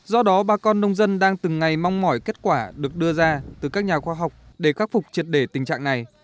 do đó bà con nông dân đang từng ngày mong mỏi kết quả được đưa ra từ các nhà khoa học để khắc phục triệt để tình trạng này